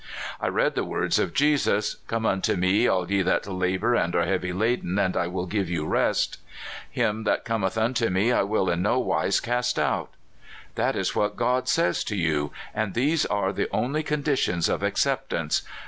I read the words of Jesus: '* Come unto me, all ye that labor and are heavy laden, and I will give 3^ou rest." "Him that cometh unto me I will in no wise cast out." "That is what God says to you, and these are the only conditions of acceptance.